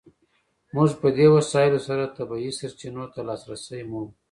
موږ په دې وسایلو سره طبیعي سرچینو ته لاسرسی مومو.